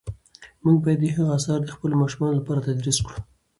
موږ باید د هغه آثار د خپلو ماشومانو لپاره تدریس کړو.